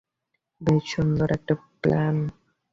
বেশ সুন্দর একটা প্লেন।